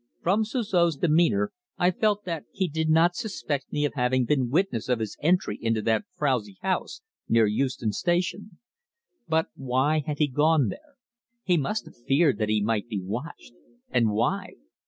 From Suzor's demeanour I felt that he did not suspect me of having been witness of his entry into that frowsy house near Euston Station. But why had he gone there? He must have feared that he might be watched. And why?